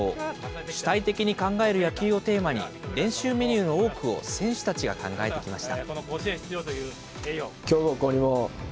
主体的に考える野球をテーマに、練習メニューの多くを選手たちが考えてきました。